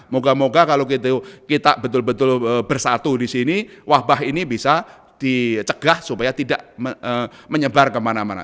moga moga kalau kita betul betul bersatu di sini wabah ini bisa dicegah supaya tidak menyebar kemana mana